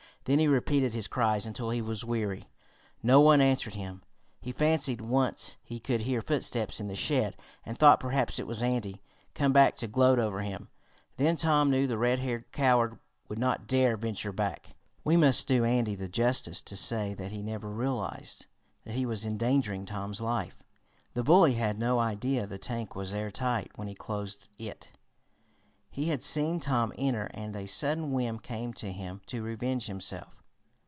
Then he repeated his cries until he was weary. No one answered him. He fancied once he could hear footsteps in the shed, and thought, perhaps, it was Andy, come back to gloat over him. Then Tom knew the red haired coward would not dare venture back. We must do Andy the justice to say that he never realized that he was endangering Tom's life. The bully had no idea the tank was airtight when he closed it. He had seen Tom enter and a sudden whim came to him to revenge himself.